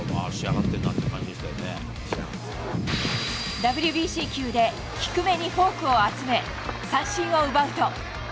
ＷＢＣ球で低めにフォークを集め、三振を奪うと。